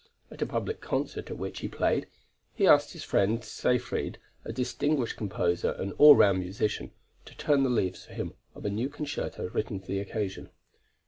At a public concert at which he played, he asked his friend Seyfried, a distinguished composer and all round musician, to turn the leaves for him of a new concerto written for the occasion.